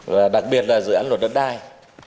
và đặc biệt là dự án luật đất đai